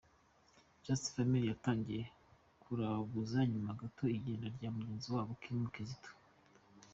Just Family yatangiye kuraguza nyuma gato y’igenda rya mugenzi wabo Kim Kizito.